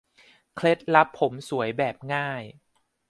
เคล็ดลับผมสวยแบบง่าย